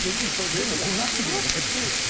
でも５００匹残ってるんですよ。